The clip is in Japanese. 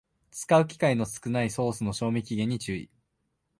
使う機会の少ないソースの賞味期限に注意